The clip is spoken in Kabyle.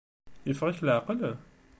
Yeffeɣ-ik leɛqel?